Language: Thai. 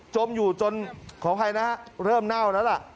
จมอยู่จนขอให้นะครับเริ่มเน่าแล้วล่ะ